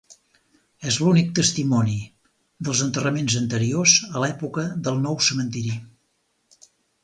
És l'únic testimoni dels enterraments anteriors a l'època del nou cementiri.